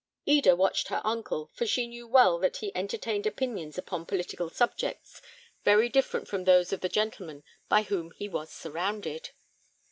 Eda watched her uncle, for she knew well that he entertained opinions upon political subjects very different from those of the gentlemen by whom he was surrounded.